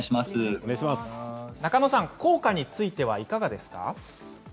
効果についてはいかがですか？